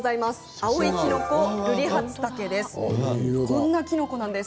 青いキノコ・ルリハツタケです。